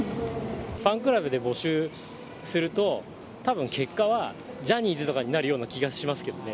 ファンクラブで募集すると、たぶん結果は、ジャニーズとかになるような気がしますけどね。